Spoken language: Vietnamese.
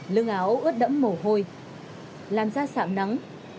lưng áo ướt đẫm mồ hôi làm ra sạm nắng